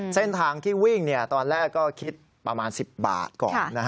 เส้นทางที่วิ่งตอนแรกก็คิดประมาณ๑๐บาทก่อน